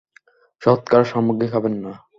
সদকার সামগ্রী খাবেন না।